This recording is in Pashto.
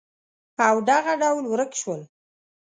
او دغه ډول ورک شول